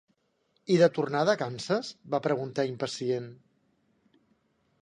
I de tornada a Kansas?", va preguntar, impacient.